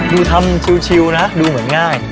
ดูทำชิวนะดูเหมือนง่าย